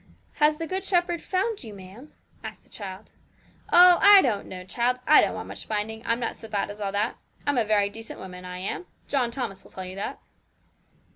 'Has the Good Shepherd found you, ma'am?' asked the child. 'Oh, I don't know, child; I don't want much finding. I'm not so bad as all that; I'm a very decent woman, I am. John Thomas will tell you that.'